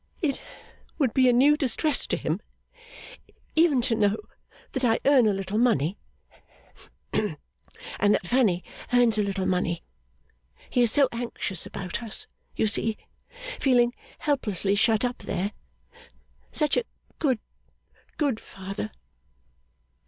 'It would be a new distress to him even to know that I earn a little money, and that Fanny earns a little money. He is so anxious about us, you see, feeling helplessly shut up there. Such a good, good father!